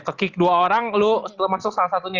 kekik dua orang lo masuk salah satunya ya